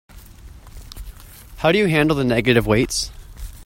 How do you handle the negative weights?